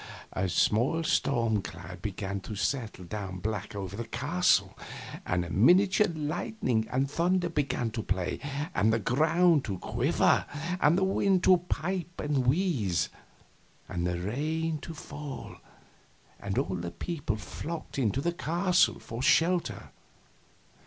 A small storm cloud began to settle down black over the castle, and the miniature lightning and thunder began to play, and the ground to quiver, and the wind to pipe and wheeze, and the rain to fall, and all the people flocked into the castle for shelter.